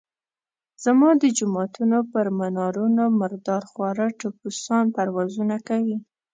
زما د جوماتونو پر منارونو مردار خواره ټپوسان پروازونه کوي.